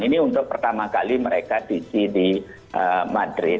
ini untuk pertama kali mereka cuci di madrid